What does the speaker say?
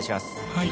「はい」